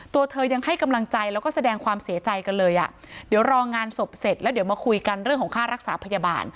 ตัวเธอยังให้กำลังใจแล้วก็แสดงความเสียใจกันเลยอ่ะเดี๋ยวรองานศพเสร็จแล้วเดี๋ยวมาคุยกันเรื่องของค่ารักษาพยาบาล